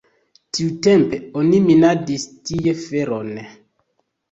Tiutempe oni minadis tie feron.